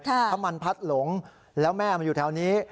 ถ้ามันพัดหลงแล้วแม่มันอยู่แถวนี้